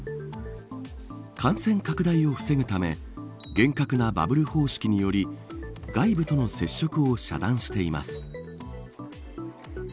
感染拡大を防ぐため厳格なバブル方式により外部との接触を遮断しています。